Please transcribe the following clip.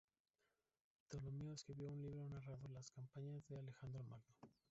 Ptolomeo escribió un libro narrando las campañas de Alejandro Magno.